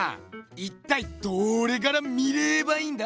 いったいどれから見ればいいんだ？